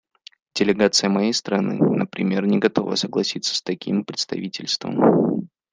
Делегация моей страны, например, не готова согласиться с таким представительством.